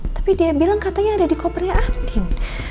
tapi dia bilang katanya ada di kopernya yakin